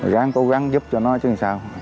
ráng cố gắng giúp cho nó chứ sao